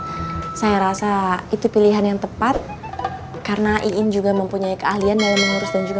saya rasa itu pilihan yang tepat karena iin juga mempunyai keahlian dalam mengurus dan juga